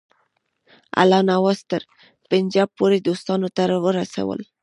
الله نواز تر پنجاب پوري دوستانو ته ورسول.